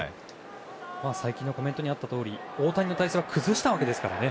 才木のコメントにあったとおり大谷の体勢は崩したわけですからね。